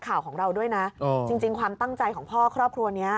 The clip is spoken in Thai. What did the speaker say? ข่าวของเราด้วยนะจริงความตั้งใจของพ่อครอบครัวนี้